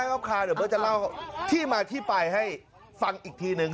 ครับเดี๋ยวเบิร์ตจะเล่าที่มาที่ไปให้ฟังอีกทีนึง